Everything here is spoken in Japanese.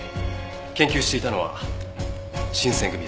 研究していたのは新選組です。